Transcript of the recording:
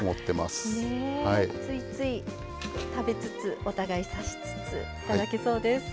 ついつい食べつつお互い差しつつ頂けそうです。